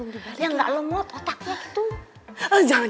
dia gak lemot otaknya gitu